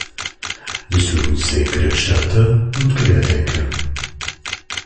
Wir suchen Senkrechtstarter und Querdenker.